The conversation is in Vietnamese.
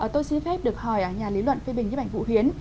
tôi xin phép được hỏi nhà lý luận phê bình nhất ảnh vũ hiến